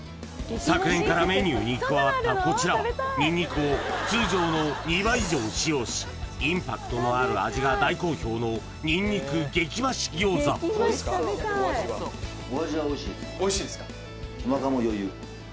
昨年からメニューに加わったこちらはにんにくを通常の２倍以上使用しインパクトのある味が大好評のにんにく激増し餃子おいしいですか